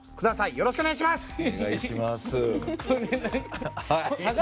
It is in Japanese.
よろしくお願いします！